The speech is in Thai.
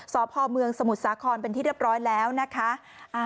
สพเมืองสมุทรสาครเป็นที่เรียบร้อยแล้วนะคะ